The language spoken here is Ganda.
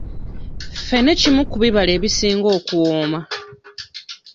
Ffene kimu ku bibala ebisinga okuwooma.